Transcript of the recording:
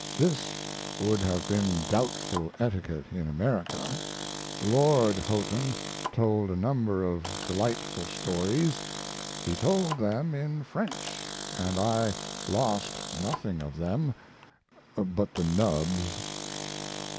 This would have been doubtful etiquette in America. Lord Houghton told a number of delightful stories. He told them in French, and I lost nothing of them but the nubs.